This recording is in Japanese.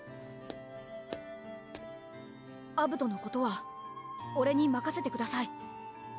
アブトのことは俺に任せてください。